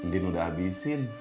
din udah abisin